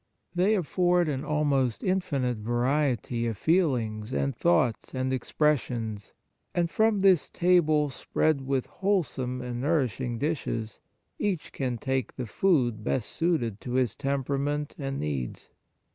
They afford an almost infinite variety of feelings and thoughts and expres sions, and, from this table spread with wholesome and nourishing dishes, each can take the food best suited to his temperament and needs.